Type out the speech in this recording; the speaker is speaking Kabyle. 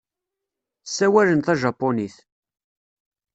Ssawalen tajapunit.